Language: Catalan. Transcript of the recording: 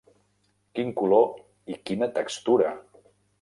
Quin color i quina textura!